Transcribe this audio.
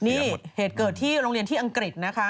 นี่เหตุเกิดที่โรงเรียนที่อังกฤษนะคะ